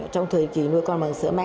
trong thời kỳ nuôi con bằng sữa mẹ